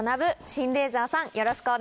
シンレーザーさんよろしくお願いします。